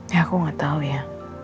ya aku gak tau ya